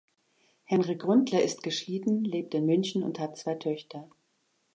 Henry Gründler ist geschieden, lebt in München und hat zwei Töchter.